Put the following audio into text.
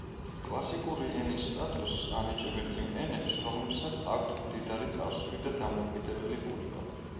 კლასიკური ენის სტატუსს ანიჭებენ იმ ენებს, რომლებსაც აქვთ მდიდარი წარსული და დამოუკიდებელი ბუნება.